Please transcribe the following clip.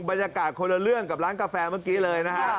บรรยากาศคนละเรื่องกับร้านกาแฟเมื่อกี้เลยนะฮะ